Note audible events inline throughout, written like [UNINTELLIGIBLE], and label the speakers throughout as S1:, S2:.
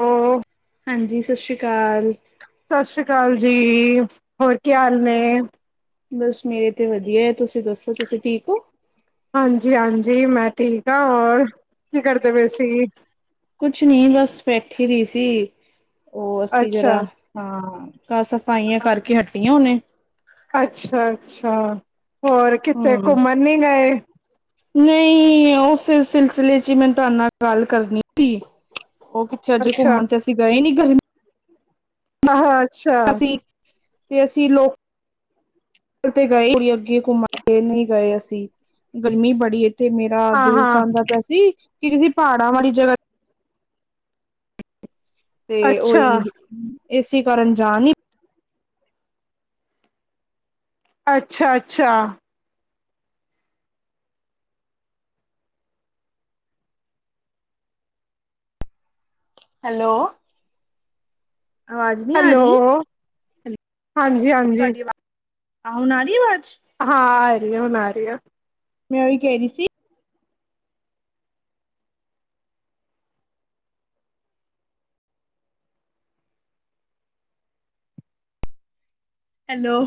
S1: Hello,
S2: ਹਂਜੀ ਸਤਿ ਸ੍ਰੀ ਅਕਾਲ।
S1: ਸਤਿ ਸ਼੍ਰੀ ਅਕਾਲ ਜੀ। ਹੋਰ ਕੀ ਹਾਲ ਨੇ?
S2: ਬਸ ਮੇਰੇ ਤੇ ਵਧੀਆ ਏ। ਤੁਸੀ ਦੱਸੋ? ਤੁਸੀ ਠੀਕ ੳ।
S1: ਹਾਂਜੀ ਹਾਂਜੀ ਮੈਂ ਠੀਕ ਆਂ। ਔਰ ਕੀ ਕਰਦੇ ਪਏ ਸੀ?
S2: ਕੁਛ ਨੀ ਬਸ ਬੈਠੀ ਦੀ ਸੀ। ੳਹ ਅਸੀ
S1: ਅੱਛਾ,
S2: ਜਰਾ ਹਾਂ ਘਰ ਸਫਾਈਆਂ ਕਰਕੇ ਹੱਟੀ ਆਂ ਹੁਨੇ।
S1: ਅੱਛਾ ਅੱਛਾ।
S2: ਹੂੰ। ਨਈ ੳਸੇ ਸਿਲਸਿਲੇ ਚ ਈ ਮੈਨੂੰ ਤੁਹਾਡੇ ਨਾਲ ਗੱਲ ਕਰਨੀ ਸੀ। ੳ ਕਿੱਥੇ ਅਜੇ
S1: ਅੱਛਾ,
S2: ਘੁੰਮਣ ਤੇ ਅਸੀ ਗਏ ਨੀ ਗਰਮੀ
S1: ਆਹੋ ਅੱਛਾ।
S2: ਅਸੀ ਤੇ ਅਸੀ ਲੋਕ ਤੇ ਗਏ ਕੋਨੀ ਅੱਗੇ ਘੁੰਮਣ, ਨਈ ਗਏ ਅਸੀ, ਗਰਮੀ ਬੜੀ ਏ ਤੇ ਮੇਰਾ ਦਿਲ
S1: ਹਾਂ-ਹਾਂ,
S2: ਚਾਹਦਾਂ ਪੇਆ ਸੀ ਕਿ ਕਿਸੀ ਪਹਾੜਾਂ ਵਾਲੀ ਜਗ੍ਹਾ ਤੇ ਤੇ ੳਹੀ ਏਸੀ ਕਾਰਨ ਜਾ ਨੀ
S1: ਅੱਛਾ ਅੱਛਾ।
S2: ਹੈਲੋ, ਅਵਾਜ਼ ਨੀ ਆ ਰੀ?
S1: ਹਾਂਜੀ ਹਾਂਜੀ।
S2: ਆ ਹੁਣ ਆ ਰੀ ਏ ਅਵਾਜ਼?
S1: ਹਾਂ ਆ ਰੀ ਏ, ਹੁਣ ਆ ਰੀ ਏ।
S2: ਮੈਂ ੳਈ ਕਹ ਰਹੀ ਸੀ ਹੈਲੋ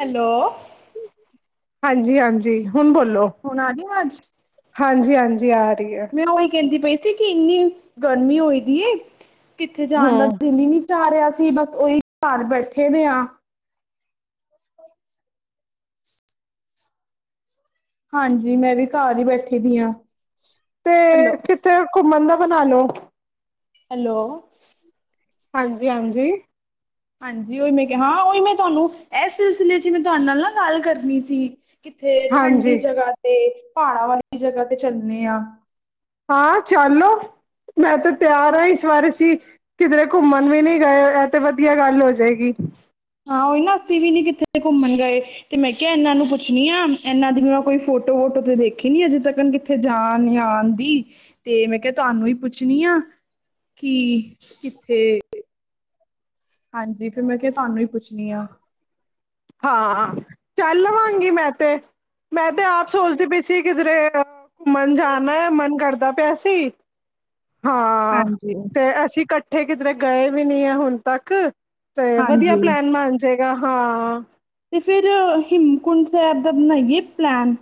S2: ਹੈਲੋ
S1: ਹਾਂਜੀ ਹਾਂਜੀ। ਹੁਣ ਬੋਲੋ।
S2: ਹੁਣ ਆ ਗੀ ਅਵਾਜ?
S1: ਹਾਂਜੀ ਹਾਂਜੀ, ਆ ਰਹੀ ਐ।
S2: ਮੈਂ ੳਹੀ ਕਹੰਦੀ ਪਈ ਸੀ ਕਿ ਇੰਨੀ ਗਰਮੀ ਹੋਈ ਦੀ ਏ, ਕਿੱਥੇ ਜਾਨ ਦਾ
S1: ਹੂੰ।
S2: ਦਿੱਲ ਈ ਨੀ ਤੇ ਆ ਰਿਹਾ ਸੀ ਬਸ ੳਹੀ ਘਰ ਬੈਠੇ ਦੇ ਆਂ। [INAUDIBLE] ਹਾਂਜੀ ਮੈਂ ਵੀ ਘਰ ਈ ਬੈਠੀ ਦੀ ਆ।
S1: ਤੇ ਕਿੱਥੇ ਘੁੰਮਨ ਦਾ ਬਨਾ ਲੋ।
S2: ਹੈਲੋ
S1: ਹਾਂਜੀ ਹਾਂਜੀ
S2: ਹਾਂਜੀ ੳਹੀ ਮੈਂ ਕਿਹਾ ਹਾਂ ੳਹੀ ਮੈਂ ਤੁਹਾਨੂੰ ਏਸ ਸਿਲਸਿਲੇ ਚ ਮੈਂ ਤੁਹਾਡੇ ਨਾਲ ਗੱਲ ਕਰਨੀ ਸੀ। ਕਿੱਥੇ
S1: ਹਾਂਜੀ।
S2: ਠੰਡੀ
S1: ਹਾਂਜੀ
S2: ਜਗ੍ਹਾ ਤੇ ਪਹਾੜਾਂ ਵਾਲੀ ਜਗ੍ਹਾ ਤੇ ਚੱਲਨੇ ਆ।
S1: ਹਾਂ ਚੱਲ ਲੋ, ਮੈਂ ਤੇ ਤਿਆਰ ਆਂ ਇਸ ਵਾਰ ਅਸੀ ਕਿਧਰੇ ਘੁੰਮਣ ਵੀ ਨਈ ਗਏ। ਏਹ ਤੇ ਵਧਿਆ ਗੱਲ ਹੋ ਜੇਗੀ।
S2: ਹਾਂ ੳਹੀ ਨਾ ਅਸੀ ਵੀ ਨੀ ਕਿੱਥੇ ਘੁੰਮਣ ਗਏ। ਤੇ ਮੈਂ ਕਿਹਾ ਏਨਾਂ ਨੂੰ ਪੁੱਛਨੀ ਆ ਏਨਾਂ ਦੀ ਮੈਂ ਕੋਈ ਫੋਟੋ ਵੋਟੋ ਤੇ ਦੇਖੀ ਨੀ ਅਜੇ ਤੱਕਣ ਕਿਥੇ ਕਿਥੇ ਜਾਨ ਤਾਂ ਆਨ ਦੀ, ਤੇ ਮੈਂ ਕਿਹਾ ਤੁਹਾਨੂੰ ਈ ਪੁੱਛਨੀ ਆ ਕੀ ਕਿੱਥੇ ਹਾਂਜੀ ਫੇਰ ਮੈਂ ਕਿਹਾ, ਤੁਹਾਨੂੰ ਈ ਪੁੱਛਨੀ ਆ।
S1: ਹਾਂ ਚੱਲ ਲਵਾਂਗੀ ਮੈਂ ਤੇ, ਮੈਂ ਤੇ ਆਪ ਸੋਚਦੀ ਪਈ ਸੀ ਕਿਧਰੇ ਮਨ ਜਾਣਾ, ਮਨ ਕਰਦਾ ਪਿਆ ਸੀ। ਹਾਂ
S2: ਹਾਂਜੀ
S1: ਤੇ ਅਸੀਂ ਇਕੱਠੇ ਕਿਧਰੇ ਗਏ ਵੀ ਨਹੀਂ ਹੈ ਹੁਣ ਤੱਕ। ਤੇ ਵਧੀਆ
S2: ਹਾਂਜੀ
S1: ਪਲੈਨ ਬਣ ਜਾਏਗਾ ਹਾਂ।
S2: ਅਤੇ ਫਿਰ ਹਿਮਕੁੰਡ ਸਾਹਿਬ ਦਾ ਬਣਾਈਏ ਪਲੈਨ?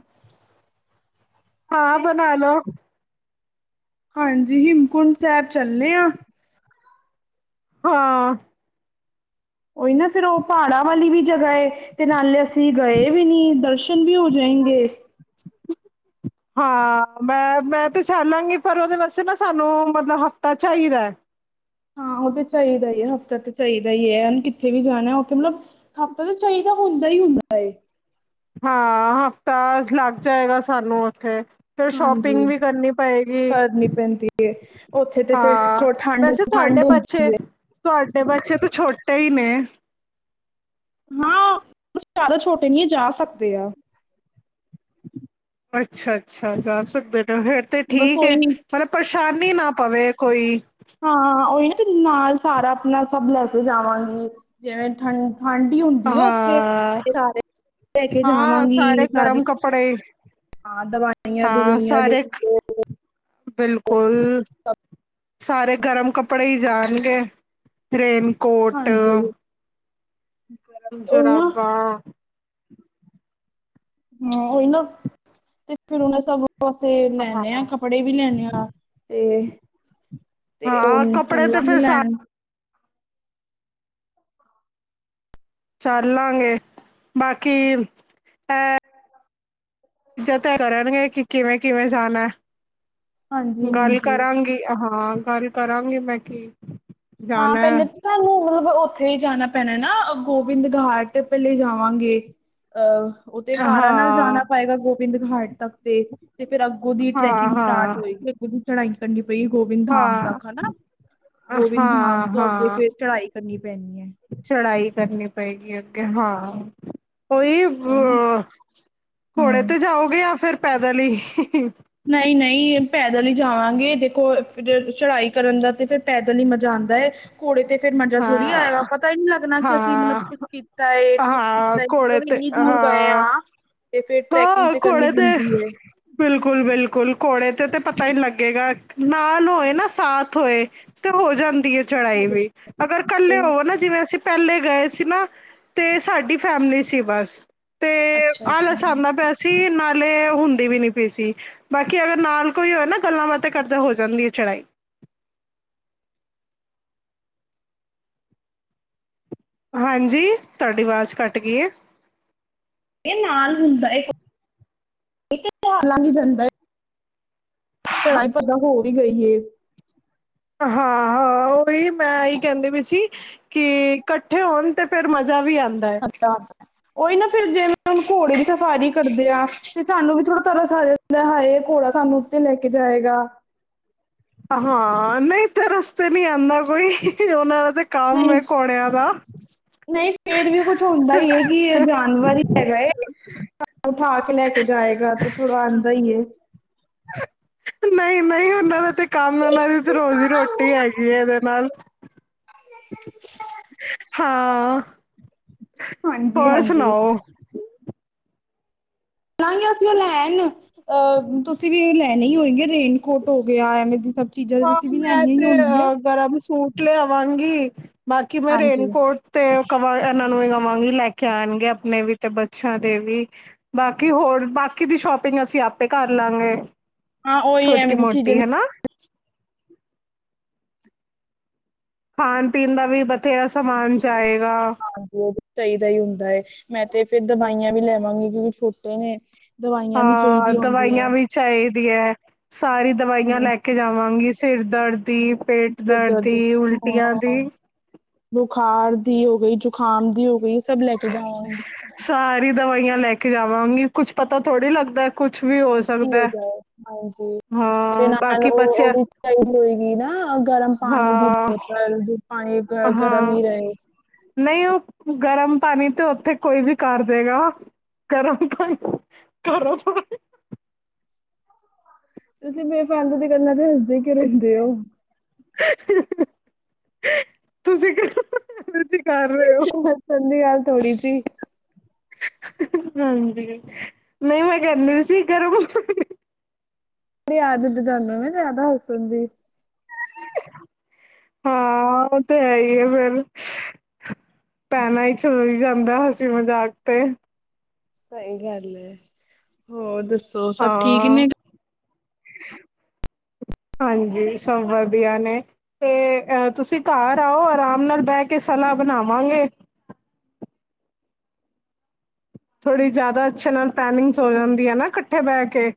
S1: ਹਾਂ ਬਣਾ ਲੋ।
S2: ਹਾਂਜੀ ਹਿਮਕੁੰਟ ਸਾਹਿਬ ਚੱਲੇ ਆਂ।
S1: ਹਾਂ।
S2: ਉਹੀ ਨਾ ਫੇਿਰ ਉਹ ਪਹਾੜਾਂ ਵਾਲੀ ਵੀ ਜਗ੍ਹਾ ਹੈਏ ਤੇ ਨਾਲੇ ਅਸੀਂ ਗਏ ਵੀ ਨੀ। ਦਰਸ਼ਨ [UNINTELLIGIBLE] ਵੀ ਹੋ ਜਾਏ ਗੇ।
S1: ਹਾਂ ਮੈਂ-ਮੈਂ ਤੇ ਚੱਲਲਾਂਗੀ ਪਰ ਉਹਦੇ ਵਾਸਤੇ ਨਾ ਸਾਨੂੰ ਮਤਲਬ ਹਫ਼ਤਾ ਚਾਹੀਦਾ।
S2: ਹਾਂ ਉਹ ਤੇ ਚਾਹੀਦਾ ਹੀ ਹੈ ਹਫ਼ਤਾ ਤੇ ਚਾਹੀਦਾ ਹੀ ਹੈ। ਕਿੱਥੇ ਵੀ ਜਾਣਾ ਉਥੇ ਮਤਲਬ ਹਫ਼ਤਾ ਤਾਂ ਚਾਹੀਦਾ ਹੁੰਦਾ ਹੀ ਹੁੰਦਾ ਏ।
S1: ਹਾਂ ਹਫ਼ਤਾ ਲੱਗ ਜਾਏਗਾ ਸਾਨੂੰ ਉੱਥੇ। ਫਿਰ
S2: ਹਾਂਜੀ
S1: ਸ਼ੋਪਿੰਗ ਵੀ ਕਰਨੀ ਪਏਗੀ
S2: ਕਰਨੀ ਪੈਂਦੀ ਹੈ, ਉੱਥੇ ਤੇ ਫਿਰ
S1: ਹਾਂ।
S2: ਥੋ ਠੰਡ
S1: ਵੈਸੇ
S2: ਠੰਡ
S1: ਤੁਹਾਡੇ ਪਾ
S2: ਹੁੰਦੀ
S1: ਛੇ ਤੁਹਾਡੇ ਬੱਚੇ ਵੀ ਛੋਟੇ ਹੀ ਨੇ।
S2: ਹਾਂ ਬਸ ਜ਼ਿਆਦਾ ਛੋਟੇ ਨਹੀਂ ਆ, ਜਾ ਸਕਦੇ ਆ।
S1: ਅੱਛਾ- ਅੱਛਾ। ਜਾ ਸਕਦੇ ਨੇ, ਫੇਿਰ ਤੇ
S2: ਬਸ
S1: ਠੀਕ ਹੈ।
S2: ਉਹੀ
S1: ਪਰ ਪਰੇਸ਼ਾਨੀ ਨਾ ਪਵੇ ਕੋਈ।
S2: ਹਾਂ ਉਹੀ ਨਾ ਨਾਲ ਸਾਰਾ ਆਪਣਾ ਸਭ ਲੈ ਕੇ ਜਾਵਾਂਗੇ। ਜਿਵੇਂ ਠੰ ਠੰਢ ਹੀ ਹੁੰਦੀ ਉੱਥੇ
S1: ਹਾਂ
S2: ਸਾਰੇ ਲੈ ਕੇ
S1: ਹਾਂ ਸਾਰੇ
S2: ਜਾਵਾਂਗੀ ਸਾਰੀ।
S1: ਗਰਮ ਕੱਪੜੇ
S2: ਹਾਂ ਦਵਾਈਆਂ
S1: ਹਾਂ
S2: ਦਵੂਈਆਂ
S1: ਸਾਰੇ
S2: ਦੇਖੋ।
S1: ਬਿਲਕੁਲ। ਸਾਰੇ ਗਰਮ ਕੱਪੜੇ ਹੀ ਜਾਣਗੇ। ਰੇਨਕੋਟ
S2: ਹਾਂਜੀ
S1: ਗਰਮ
S2: ਉਹੀ ਨਾ
S1: ਜੁਰਾਬਾ।
S2: ਹਮ ਓਹੀ ਨਾ ਤੇ ਫਿਰ ਉਹਨਾਂ ਸਭ [UNINTELLIGIBLE] ਲੈੇਣੇ ਹਾਂ। ਕੱਪੜੇ ਵੀ ਲੈਣੇ ਹਾਂ ਤੇ ਤੇ
S1: ਹਾਂ
S2: ਉਹਨੂੰ
S1: ਕੱਪੜੇ ਤੇ ਫਿਰ
S2: ਚਲਾਗੇ
S1: ਸਾ
S2: ਲੈਣ।
S1: ਚੱਲ ਲਾਂਗੇ ਬਾਕੀ ਇਹ [UNINTELLIGIBLE] ਕਰਨਗੇ ਕਿ ਕਿਵੇਂ- ਕਿਵੇਂ ਜਾਣਾ?
S2: ਹਾਂਜੀ
S1: ਗੱਲ
S2: ਹਾਂਜੀ
S1: ਕਰਾਂਗੀ ਹਾਂ ਗੱਲ ਕਰਾਂਗੀ। ਮੈਂ ਕੀ
S2: ਹਾਂ
S1: ਜਾਣਾ
S2: ਪਹਿਲੇ ਸਾਨੂੰ ਮਤਲਬ ਉੱਥੇ ਹੀ ਜਾਣਾ ਪੈਣਾ ਨਾ ਗੋਬਿੰਦ ਘਾਟ ਪਹਲੇ ਜਾਵਾਂਗੇ ਅਹ ਉਹ ਤੇ
S1: ਹਾਂ
S2: ਕਾਰਾਂ ਨਾਲ ਜਾਣਾ ਪਏਗਾ ਗੋਬਿੰਦ ਘਾਟ ਤੱਕ। ਤੇ ਤੇ ਫੇਿਰ ਅੱਗੋਂ ਦੀ
S1: ਹਾਂ
S2: ਟਰੈਕਿੰਗ ਸਟਾਰਟ
S1: ਹਾਂ
S2: ਹੋਏਗੀ, ਅੱਗੋਂ ਦੀ ਚੜਾਈ ਕਰਨੀ ਪਈ ਗੋਵਿੰਦ ਧਾਮ
S1: ਹਾਂ
S2: ਤੱਕ ਹਨਾ। ਵਿਧਾਮ
S1: ਹਾਂ
S2: ਤੋਂ ਅੱਗੇ
S1: ਹਾਂ
S2: ਫੇਰ ਚੜਾਈ ਕਰਨੀ ਪੈਣੀ ਹੈ।
S1: ਚੜਾਈ ਕਰਨੀ ਪਏਗੀ ਅੱਗੇ ਹਾਂ ਉਹੀ। ਹ ਘੋੜੇ
S2: ਹਮ
S1: ਤੇ ਜਾਓਗੇ ਜਾਂ ਫਿਰ ਪੈਦਲ ਹੀ?
S2: ਨਹੀਂ-ਨਹੀਂ ਪੈਦਲ ਹੀ ਜਾਵਾਂਗੇ। ਦੇਖੋ ਚੜਾਈ ਕਰਨ ਦਾ ਤੇ ਫਿਰ ਪੈਦਲ ਹੀ ਮਜ਼ਾ ਆਉਂਦਾ ਹੈ‌ ਘੋੜੇ ਤੇ ਫੇਰ ਮਰਜ਼ਾ ਥੋੜੀ ਆਏਗਾ
S1: ਹਾਂ
S2: ਪਤਾ ਨੀ ਲੱਗਣਾ ਕਿ ਅਸੀਂ ਮਤਲਬ
S1: ਹਾਂ
S2: ਕੁਛ ਕੀਤਾ, ਏ ਕੁੱਛ
S1: ਹਾਂ
S2: ਕੀਤਾ
S1: ਘੋੜੇ ਤੇ
S2: ਇੰਨੀ ਦੂਰ ਗਏ ਹਾਂ ਤੇ ਫੇਰ ਟਰੈਕਿੰਗ
S1: ਹਾਂ
S2: ਤੇ ਕਰਨੀ
S1: ਘੋੜੇ ਤੇ
S2: ਬਣਦੀ ਏ।
S1: ਬਿਲਕੁਲ- ਬਿਲਕੁਲ। ਘੋੜੇ ਤੇ ਤੇ ਪਤਾ ਈ ਨੀ ਲੱਗੇਗਾ, ਨਾਲ ਹੋਏ ਨਾ ਸਾਥ ਹੋਏ। ਤੇ ਹੋ ਜਾਂਦੀ ਏ ਚੜਾਈ ਵੀ ਅਗਰ ਇਕੱਲੇ ਹੋਵੋ ਨਾ ਜਿਵੇਂ ਅਸੀਂ ਪਹਿਲੇ ਗਏ ਸੀ ਨਾ ਤੇ ਸਾਡੀ ਫੈਮਲੀ ਸੀ ਬਸ।
S2: ਅੱਛਾ ਜੀ
S1: ਵੈਸੇ ਨਾਲੇ ਹੁੰਦੀ ਵੀ ਨੀ ਪਈ ਸੀ ਬਾਕੀ ਅਗਰ ਨਾਲ ਕੋਈ ਹੋਏ ਨਾ ਗੱਲਾਂ ਬਾਤ ਕਰਦੇ ਹੋ ਜਾਂਦੀ ਐ ਚੜਾਈ ਹਾਂਜੀ ਤਾਡੀ ਵਾਜ਼ ਕੱਟ ਗਈ ਐ
S2: ਇਹ ਨਾਲ ਹੁੰਦਾ ਏ ਇਹ ਤੇ ਪਹਾੜਾਂ ਵੀ ਜਾਂਦਾ ਏ ਚੜਾਈ ਓਦਾਂ ਹੋ ਵੀ ਗਈ ਏ
S1: ਹਾਂ ਉਹੀ ਮੈਂ ਇਹੀ ਕਹਿੰਦੇ ਪਈ ਸੀ ਕਿ ਕੱਠੇ ਹੋਣ ਤੇ ਫੇਰ ਮਜਾ ਵੀ ਆਉਂਦਾ ਹੈ
S2: ਅੱਛਾ ਉਹੀ ਨਾ ਫਿਰ ਜਿਵੇਂ ਹੁਨ ਘੋੜੇ ਦੀ ਸਵਾਰੀ ਕਰਦੇ ਆ ਤੇ ਸਾਨੂੰ ਵੀ ਥੋੜਾ ਤਰਸ ਆ ਜਾਂਦਾ ਹਾਏ ਘੋੜਾ ਸਾਨੂੰ ਉੱਤੇ ਲੈ ਕੇ ਜਾਏਗਾ
S1: ਹਾਂ ਨਹੀਂ ਤਰਸ ਤੇ ਨੀ ਆਉਂਦਾ ਕੋਈ ਉਹਨਾਂ ਦਾ ਤੇ ਕੰਮ
S2: ਨਹੀਂ
S1: ਹੈ ਘੋੜਿਆਂ ਦਾ
S2: ਨਹੀਂ ਫੇਰ ਵੀ ਕੁਛ ਹੁੰਦਾ ਈ ਏ ਕਿ ਜਾਨਵਰ ਹੀ ਹੈਗਾ ਏ ਉਠਾ ਕੇ ਲੈ ਕੇ ਜਾਏਗਾ ਤੇ ਥੋੜਾ ਆਉਂਦਾ ਈ ਏ
S1: ਨਹੀਂ ਨਹੀਂ ਉਨਾਂ ਦਾ ਤੇ ਕੰਮ ਉਨਾਂ ਦੀ ਤੇ ਰੋਜੀ ਰੋਟੀ ਹੈਗੀ ਹੈ ਫੇਰ ਨਾਲ ਹਾਂ
S2: ਹਾਂਜੀ
S1: ਹੋਰ
S2: ਹਾਂਜੀ
S1: ਸੁਣਾਓ
S2: ਨਾ ਹੀ ਅਸੀਂ ਉਹ ਲੈਣ ਅਹ ਤੁਸੀਂ ਵੀ ਏ ਲੈਣੇ ਹੀ ਹੋਏਗੇ ਰੇਨਕੋਟ ਹੋ ਗਿਆ ਐਵੇਂ ਦੀ ਸਭ ਚੀਜ਼ਾਂ ਤੇ
S1: ਹਾਂ
S2: ਤੁਸੀਂ ਵੀ
S1: ਮੈਂ
S2: ਲੈਣੀਆਂ ਹੀ
S1: ਤੇ
S2: ਹੋਣਗੀਆਂ
S1: ਅ ਗਰਮ ਸੂਟ ਲਿਆਵਾਂਗੀ ਬਾਕੀ ਮੈਂ
S2: ਹਾਂਜੀ
S1: ਰੇਨਕੋਟ ਤੇ ਕਵਾ ਇਹਨਾਂ ਨੂੰ ਵੀ ਕਵਾਂਗੀ ਲੈ ਕੇ ਆਣਗੇ ਆਪਣੇ ਵੀ ਤੇ ਬੱਚਿਆਂ ਦੇ ਵੀ ਬਾਕੀ ਹੋਰ ਬਾਕੀ ਦੀ ਸ਼ੋਪਿੰਗ ਅਸੀਂ ਆਪੇ ਕਰ ਲਾਂਗੇ
S2: ਹਾਂ ਉਹੀ
S1: ਛੋਟੀ
S2: ਐਵੇਂ ਦੀ ਚੀਜ਼ਾਂ
S1: ਮੋਟੀ
S2: ਦੀ
S1: ਹਨਾ ਖਾਣ ਪੀਣ ਦਾ ਵੀ ਬਥੇਰਾ ਸਮਾਨ ਜਾਏਗਾ
S2: ਹਾਂਜੀ ਚਾਹੀਦਾ ਹੀ ਹੁੰਦਾ ਏ ਮੈਂ ਤੇ ਫੇਰ ਦਵਾਈਆਂ ਵੀ ਲੈ ਆਵਾਂਗੀ ਕਿਉਂਕਿ ਛੋਟੇ ਨੇ ਦਵਾਈਆਂ ਵੀ
S1: ਹਾਂ
S2: ਚਾਹੀਦੀਆਂ ਹੁੰਦੀਆਂ ਹੈ।
S1: ਦਵਾਈਆਂ ਵੀ ਚਾਹੀਦੀਆਂ ਸਾਰੀ ਦਵਾਈਆਂ
S2: ਹਮ
S1: ਲੈ ਕੇ ਕੇ ਜਾਵਾਂਗੀ ਸਿਰ ਦਰਦ ਦੀ ਪੇਟ
S2: ਸਿਰ
S1: ਦਰਦ ਦੀ ਉਲਟੀਆਂ
S2: ਹਾਂ
S1: ਦੀ
S2: ਬੁਖਾਰ ਦੀ ਹੋ ਗਈ, ਜੁਕਾਮ ਦੀ ਹੋ ਗਈ ਸਭ ਲੈ ਕੇ ਜਾਵਾਂਗੇ
S1: ਸਾਰੀ ਦਵਾਈਆਂ ਲੈ ਕੇ ਜਾਵਾਂਗੀ ਕੁੱਛ ਪਤਾ ਥੋੜ੍ਹੀ ਲੱਗਦਾ ਕੁਛ ਵੀ ਹੋ
S2: ਕੁਛ ਵੀ ਹੋ
S1: ਸਕਦਾ
S2: ਹੋ
S1: ਹੈ।
S2: ਜਾਏ ਹਾਂਜੀ ਜੇ
S1: ਹਾਂ
S2: ਨਾਲ
S1: ਬਾਕੀ
S2: ਉਹ ਉਹ
S1: ਬੱਚਿਆਂ
S2: ਵੀ ਚਾਹੀਦੀ ਹੋਏਗੀ ਨਾ ਗਰਮ ਪਾਣੀ ਦੀ
S1: ਹਾਂ
S2: ਬੋਤਲ ਜੇ ਪਾਣੀ ਗਰਮ
S1: ਹਾਂ
S2: ਹੀ ਰਹੇ।
S1: ਨਹੀਂ ਉਹ ਗਰਮ ਪਾਣੀ ਤੇ ਉੱਥੇ ਕੋਈ ਵੀ ਕਰ ਦੇਗਾ ਗਰਮ ਪਾਣੀ ਗਰਮ ਪਾਣੀ
S2: ਤੁਸੀਂ ਬੇਫਾਲਤੂ ਦੀ ਗੱਲਾਂ ਤੇ ਹਸਦੇ ਕਿਉ ਰਹਿੰਦੇ ਓ
S1: ਤੁਸੀਂ [INAUDIBLE]
S2: ਉ ਹੱਸਣ ਦੀ ਗੱਲ ਥੋੜੀ ਸੀ
S1: ਹਾਂਜੀ ਨਹੀਂ ਮੈਂ ਕਹਿੰਦੀ ਸੀ ਘਰੋਂ
S2: ਏ ਆਦਤ ਤੁਹਾਨੂੰ ਵੀ ਜ਼ਿਆਦਾ ਹੱਸਣ ਦੀ [INAUDIBLE]
S1: ਹਾਂ ਉਹ ਤੇ ਹੈ ਈ ਏ ਫੇਰ ਭੈਣਾਂ ਇਚ ਹੋ ਈ ਜਾਂਦਾ ਹਸੀ ਮਜ਼ਾਕ ਤੇ
S2: ਸਹੀ ਗੱਲ ਏ ਹੋਰ ਦੱਸੋ ਸਭ ਠੀਕ
S1: ਹਾਂ
S2: ਨੇ [INAUDIBLE]
S1: ਹਾਂਜੀ ਸਭ ਵਧੀਆ ਨੇ ਤੇ ਅ ਤੁਸੀਂ ਘਰ ਆਓ ਆਰਾਮ ਨਾਲ ਬਹਿ ਕੇ ਸਲਾਹ ਬਣਾਵਾਂਗੇ ਥੋੜ੍ਹੀ ਜ਼ਿਆਦਾ ਅੱਛੇ ਨਾਲ ਪਲੈਨਿੰਗਸ ਹੋ ਜਾਂਦੀਆਂ ਨਾ ਕੱਠੇ ਬਹਿ ਕੇ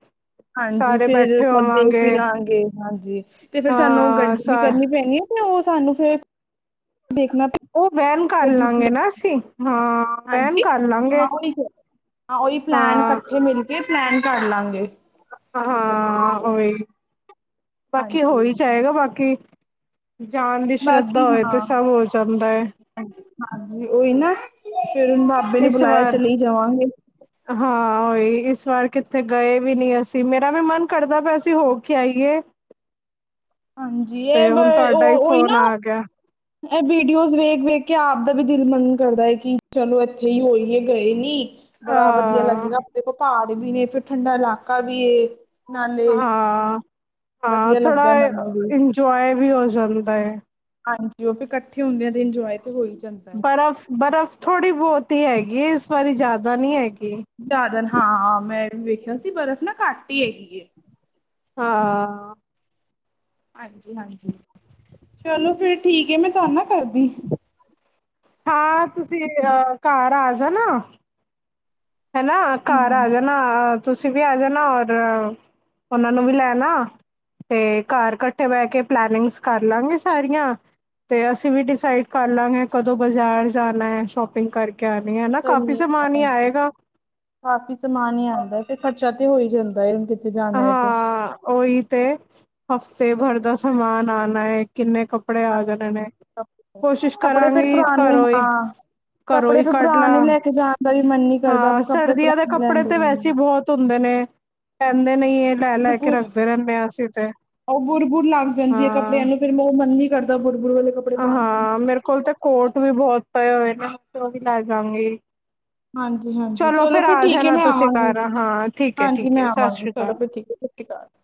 S2: ਹਾਂਜੀ
S1: ਸਾਰੇ
S2: ਫੇਰ
S1: ਬੈਠੇ
S2: ਦੇਖ ਵੀ
S1: ਹੋਵਾਂਗੇ
S2: ਲਾਂਗੇ ਹਾਂਜੀ ਤੇ ਫੇਰ ਸਾਨੂੰ
S1: ਹਾਂ ਸ
S2: ਗੱਡੀ ਕਰਨੀ ਪੈਣੀ ਏ ਨ ਓ ਸਾਨੂੰ ਫੇਰ ਦੇਖਣਾ ਪੈ-
S1: ਓ ਬੈਨ ਕਰ
S2: ਗੱਡੀ ਠੀਕ
S1: ਲਾਂਗੇ ਨਾ ਅਸੀ। ਹਾਂ। ਵੈਨ
S2: ਹਾਂਜੀ।
S1: ਕਰ ਲਾਂਗੇ
S2: ਹਾਂ ਓਈ ਹਾਂ ਓਈ ਪਲੈਨ
S1: ਹਾਂ
S2: ਕੱਠੇ ਮਿਲ ਕੇ ਪਲੈਨ ਕਰ ਲਾਂਗੇ।
S1: ਹਾਂ ਓਈ। ਬਾਕੀ ਹੋ
S2: ਹਾਂਜੀ।
S1: ਈ ਜਾਏਗਾ ਬਾਕੀ। ਜਾਨ ਦੀ
S2: ਬਾਕੀ
S1: ਸ਼ਰਧਾ ਹੋਏ
S2: ਹਾਂ,
S1: ਤੇ ਸਭ ਹੋ ਜਾਂਦਾ ਏ।
S2: ਹਾਂਜੀ ਓਈ ਨਾ। ਫੇਰ ਬਾਬੇ ਨੇ
S1: ਇਸ
S2: ਬੁਲਾਏਆ ਐ
S1: ਵਾਰ
S2: ਚਲੇ ਈ ਜਾਵਾਂਗੇ।
S1: ਹਾਂ। ਉਈ ਇਸ ਵਾਰ ਕਿੱਥੇ ਗਏ ਵੀ ਨੀ ਅਸੀ। ਮੇਰਾ ਵੀ ਮਨ ਕਰਦਾ ਪੇਆ ਸੀ ਹੋ ਕੇ ਆਈਏ।
S2: ਹਾਂਜੀ। ਐ
S1: ਤੇ
S2: ਬ
S1: ਹੁਣ
S2: ਓ
S1: ਤੁਹਾਡਾ ਹੀ
S2: ਓਈ ਨਾ।
S1: ਫੋਨ ਆ ਗਿਆ
S2: ਐ ਵੀਡੀਓਜ਼ ਵੇਖ ਵੇਖ ਕੇ ਆਪ ਦਾ ਵੀ ਦਿਲ ਮਨ ਕਰਦਾ ਏ ਕਿ ਚਲੋ ਏਥੇ ਈ ਹੋਈਏ ਗਏ ਨੀ। ਬੜਾ ਵਧੀਆ
S1: ਹਾਂ
S2: ਲੱਗੇਗਾ। ਦੇਖੋ ਪਾੜ ਵੀ ਨੇ ਫਿਰ ਠੰਡਾ ਲਾਕਾ ਵੀ ਏ। ਨਾਲੇ
S1: ਹਾਂ। ਹਾਂ
S2: ਵਧੀਆ
S1: ਥੋੜਾ
S2: ਲੱਗਦਾ
S1: ਅ
S2: ਮੈਨੂੰ ਵੀ,
S1: ਇੰਜੋਏ ਵੀ ਹੋ ਜਾਂਦਾ ਏ।
S2: ਹਾਂਜੀ ਓ ਵੀ ਕੱਟ ਠੇ ਹੁੰਦੇ ਐ ਤੇ ਇੰਜੋਏ ਤੇ ਹੋ ਹੀ ਜਾਂਦਾ ਹੈ।
S1: ਬਰਫ਼ ਬਰਫ਼ ਥੋੜੀ ਬੋਤ ਈ ਹੈਗੀ ਏ ਇਸ ਵਾਰੀ ਜਾਦਾ ਨੀ ਹੈਗੀ।
S2: ਜਾਦਨ ਹਾਂ। ਮੈਂ ਵੀ ਵੇਖੇਆ ਸੀ ਬਰਫ਼ ਨਾ ਘੱਟ ਈ ਹੈਗੀ ਏ।
S1: ਹਾਂ।
S2: ਹਾਂਜੀ ਹਾਂਜੀ। ਚਲੋ ਫੇਰ ਠੀਕ ਏ ਮੈਂ ਤੁਹਾਨੂੰ ਨ ਕਰਦੀ।
S1: ਹਾਂ। ਤੁਸੀ ਅ ਘਰ ਆ ਜਾਨਾ। ਹਨਾ ਘਰ
S2: ਹੂੰ
S1: ਆ ਜਾਨਾ। ਅ ਤੁਸੀ ਵੀ ਆ ਜਾਨਾ ਔਰ ਓਨਾਂ ਨੂੰ ਵੀ ਲੈ ਆਨਾ। ਤੇ ਘਰ ਕੱਠੇ ਬੈ ਕੇ ਪਲੈਨਿਂਗਸ ਕਰ ਲਾਂਗੇ ਸਾਰੀਆਂ। ਤੇ ਅਸੀ ਵੀ ਡਿਸਾਈਡ ਕਰ ਲਾਂਗੇ ਕਦੋਂ ਬਜਾਰ ਜਾਨਾ ਐ ਸ਼ੋਪਿੰਗ ਕਰ ਕੇ ਆਨੀ ਐ। ਨਾ ਕਾਫ਼ੀ ਸਮਾਨ ਈ ਆਏਗਾ।
S2: ਕਾਫੀ ਸਮਾਨ ਈ ਆਂਦਾ ਐ। ਤੇ ਖਰਚਾ ਤੇ ਹੋ ਈ ਜਾਂਦਾ ਏ ਹੁਣ ਕਿਤੇ ਜਾਨਾ ਏ ਤੇ।
S1: ਓਈ ਤੇ। ਹਫਤੇ ਭਰ ਦਾ ਸਮਾਨ ਆਨਾ ਏ ਕਿੰਨੇ ਕੱਪ ਕੱਪੜੇ ਆ ਜਾਨੇ
S2: ਹਾਂਜੀ
S1: ਨੇ।
S2: ਕੱਪੜੇ
S1: ਕੋਸ਼ਿਸ਼
S2: ਕੱਪੜੇ ਫਿਰ
S1: ਕਰਾਂਗੀ
S2: ਪੁਰਾਣੇ
S1: ਘਰੋਂ ਈ
S2: ਹਾਂ।
S1: ਘਰੋਂ
S2: ਕੱਪੜੇ
S1: ਈ
S2: ਫਿਰ
S1: ਕੱਢ
S2: ਪੁਰਾਣੇ
S1: ਲਾਂ।
S2: ਲੈ ਕੇ ਜਾਣ ਦਾ ਵੀ ਮਨ ਨੀ ਕਰਦਾ
S1: ਹਾਂ
S2: ਕੱਪੜੇ
S1: ਸਰਦੀਆਂ ਦੇ
S2: ਪੁਰਾਣੇ ਲੈਣ
S1: ਕੱਪੜੇ ਤੇ ਵੈਸੇ ਈ
S2: ਦੇ।
S1: ਬੋਹਤ ਹੁੰਦੇ ਨੇ। ਪੈਂਦੇ ਨਈ ਏ। ਲੈ ਲੈ ਕੇ ਰੱਖਦੇ ਰੈਨੇ ਆਂ ਅਸੀ ਤੇ।
S2: ਓ ਬੁਰ ਬੁਰ ਲੱਗ ਜਾਂਦੀ ਏ
S1: ਹਾਂ।
S2: ਕੱਪੜੇਆਂ ਨੂੰ। ਫੇਰ ਮੈਂ ਓ ਮਨ ਨੀ ਕਰਦਾ ਬੁਰ ਬੁਰ ਵਾਲੇ ਕੱਪੜੇ ਪਾਨ ਤੇ।
S1: ਮੇਰ ਕੋਲ ਤੇ ਕੋਟ ਵੀ ਬੋਹਤ ਪਏ ਹੋਏ ਨੇ ਓ ਵੀ ਲੈ ਜਾਂਗੀ।
S2: ਹਾਂਜੀ ਹਾਂਜੀ। ਚਲੋ
S1: ਫਿਰ
S2: ਫੇਰ
S1: ਆ
S2: ਠੀਕ ਏ
S1: ਜਾਣਾ
S2: ਮੈਂ
S1: ਤੁਸੀਂ
S2: ਆਵਾਂਗੀ।
S1: ਘਰ ਹਾਂ ਠੀਕ
S2: ਹਾਂਜੀ
S1: ਹੈ-ਠੀਕ
S2: ਮੈਂ
S1: ਹੈ ਸਤਿ
S2: ਆਵਾਂਗੀ।
S1: ਸ਼੍ਰੀ ਅਕਾਲ।
S2: ਚਲੋ ਫੇਰ ਠੀਕ ਏ। [UNINTELLIGIBLE]